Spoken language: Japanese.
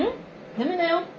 ダメだよ。